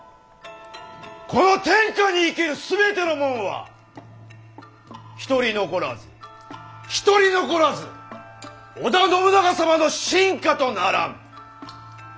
この天下に生きる全てのもんは一人残らず一人残らず織田信長様の臣下とならん！